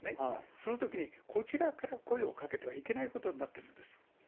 そのときにこちらから声をかけてはいけないことになっているんです。